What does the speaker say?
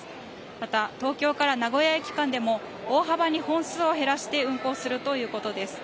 また東京名古屋駅間でも大幅に本数を減らして運行するということです。